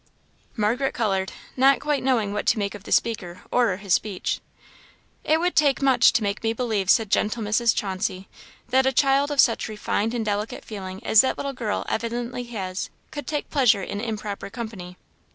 Margaret coloured, not quite knowing what to make of the speaker or his speech. "It would take much to make me believe," said gentle Mrs. Chauncey, "that a child of such refined and delicate feeling as that little girl evidently has, could take pleasure in improper company."